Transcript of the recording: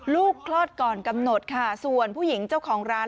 คลอดก่อนกำหนดค่ะส่วนผู้หญิงเจ้าของร้าน